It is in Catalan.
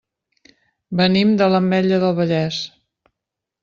Venim de l'Ametlla del Vallès.